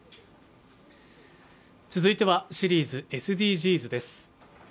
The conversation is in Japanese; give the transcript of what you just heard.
続いては、シリーズ「ＳＤＧｓ」です。